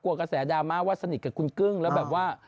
กระแสดราม่าว่าสนิทกับคุณกึ้งแล้วแบบว่า